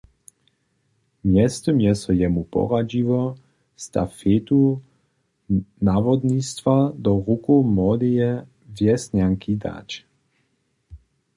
Mjeztym je so jemu poradźiło, stafetu nawodnistwa do rukow młodeje wjesnjanki dać.